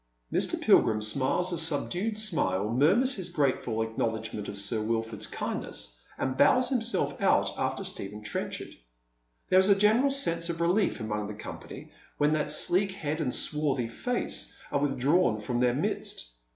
IVIr. Pilgrim smiles a subdued smile, murmurs his grateful acknowledgment of Sir Wilford's kindness, and bows himself out after Stephen Trenchard. There is a general sense of relief among the company when that sleek head and swarthy face are withdrawn from their midst.